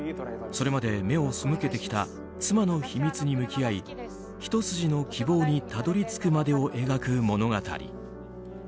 それまで目を背けてきた妻の秘密に向き合い一筋の希望にたどり着くまでを描く物語。